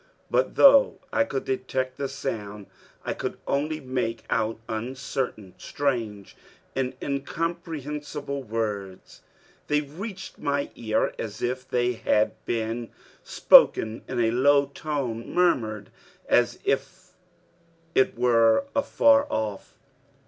But though I could detect the sound, I could only make out uncertain, strange, and incomprehensible words. They reached my ear as if they had been spoken in a low tone murmured, as it were, afar off.